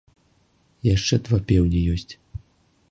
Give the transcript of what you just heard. Яшчэ два пеўні ёсць.